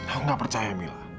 aku gak percaya mila